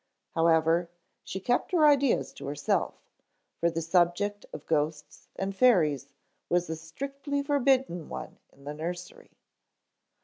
However, she kept her ideas to herself, for the subject of ghosts and fairies was a strictly forbidden one in the nursery.